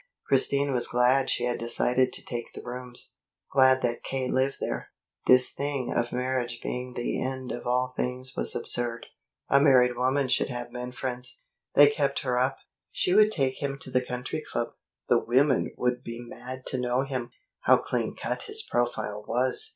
Christine was glad she had decided to take the rooms, glad that K. lived there. This thing of marriage being the end of all things was absurd. A married woman should have men friends; they kept her up. She would take him to the Country Club. The women would be mad to know him. How clean cut his profile was!